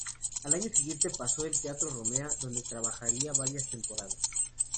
Al año siguiente, pasó el Teatro Romea, donde trabajaría varias temporadas.